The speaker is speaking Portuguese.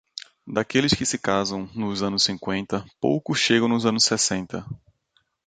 Daqueles que se casam nos anos cinquenta, poucos chegam nos anos sessenta.